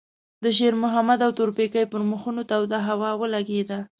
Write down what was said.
د شېرمحمد او تورپيکۍ پر مخونو توده هوا ولګېده.